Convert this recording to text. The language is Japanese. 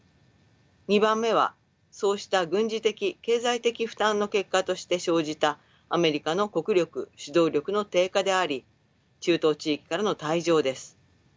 ２番目はそうした軍事的経済的負担の結果として生じたアメリカの国力指導力の低下であり中東地域からの退場です。